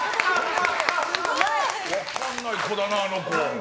すごい！分かんない子だな、あの子。